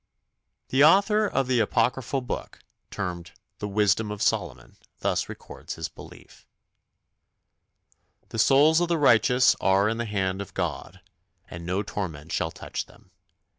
The author of the Apocryphal Book termed The Wisdom of Solomon thus records his belief: The souls of the righteous are in the hand of God, And no torment shall touch them.